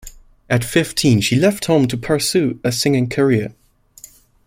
At fifteen, she left home to pursue a singing career.